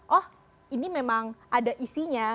oh ini memang ada isinya